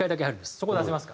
そこ出せますか？